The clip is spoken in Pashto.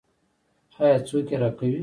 آیا څوک یې راکوي؟